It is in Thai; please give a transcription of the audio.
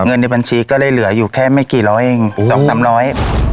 เงินในบัญชีก็เลยเหลืออยู่แค่ไม่กี่ร้อยเองสองสามร้อย